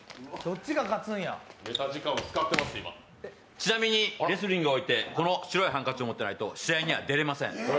ちなみにレスリングにはこの白いハンカチを持っていないと試合には出れません。